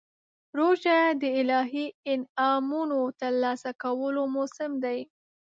روژه د الهي انعامونو ترلاسه کولو موسم دی.